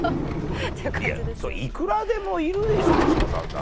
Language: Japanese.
いやいくらでもいるでしょ大島さんだったら。